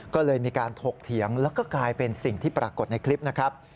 ก็เลยมีการถกเถียงแล้วก็กลายเป็นสิ่งที่ปรากฏในคลิปนะครับ